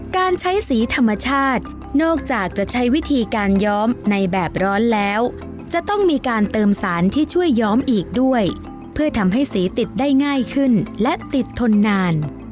การใช้สีธรรมชาตินอกจากจะใช้วิธีการย้อมในแบบร้อนแล้วจะต้องมีการเติมสารที่ช่วยย้อมอีกด้วยเพื่อทำให้สีติดได้ง่ายขึ้นและติดทนนาน